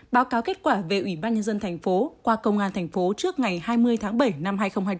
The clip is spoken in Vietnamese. báo cáo kết quả về ủy ban nhân dân thành phố qua công an thành phố trước ngày hai mươi tháng bảy năm hai nghìn hai mươi bốn